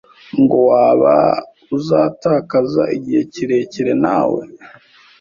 ngo waba uzatakaza igihe kirekire nawe